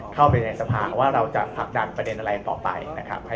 เข้าไปในสภาว่าเราจะผลักดันประเด็นอะไรต่อไปนะครับ